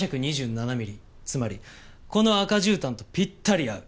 つまりこの赤じゅうたんとぴったり合う。